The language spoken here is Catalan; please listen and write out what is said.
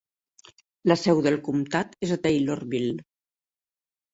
La seu del comtat és Taylorville.